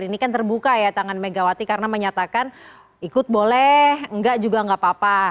ini kan terbuka ya tangan megawati karena menyatakan ikut boleh enggak juga enggak apa apa